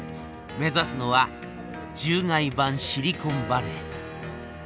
目指すのは獣害版シリコンバレー。